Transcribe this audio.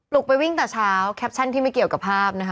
ไปวิ่งแต่เช้าแคปชั่นที่ไม่เกี่ยวกับภาพนะคะ